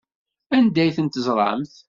Anda ay ten-teẓramt?